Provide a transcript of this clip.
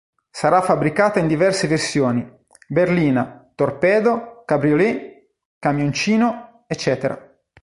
Sarà fabbricata in diverse versioni, berlina, torpedo, cabriolet, camioncino, ecc.